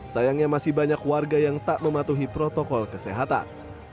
sayangnya masih banyak warga yang tak mematuhi protokol kesehatan